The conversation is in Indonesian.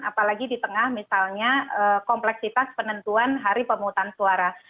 apalagi di tengah misalnya kompleksitas penentuan hari pemutusan suara